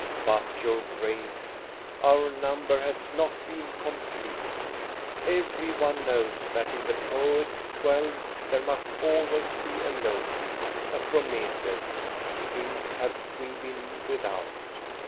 " But, your Grace, our number has not been com plete. Every one knows that in the poet's twelve there must always be a Loki, a Prometheus. Him have we been without.